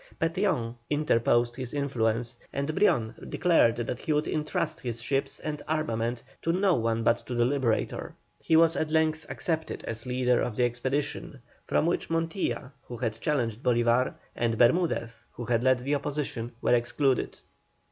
Petión interposed his influence, and Brion declared that he would entrust his ships and armament to no one but to the Liberator. He was at length accepted as leader of the expedition, from which Montilla, who had challenged Bolívar, and Bermudez, who had led the opposition, were excluded.